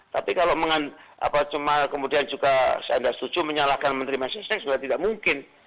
tapi kalau cuma kemudian juga saya tidak setuju menyalahkan menteri masistek sudah tidak mungkin